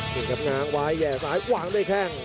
นี่ครับง้างไว้แห่ซ้ายขวางด้วยแข้ง